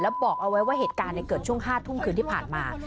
บอกเอาไว้ว่าเหตุการณ์เกิดช่วง๕ทุ่มคืนที่ผ่านมา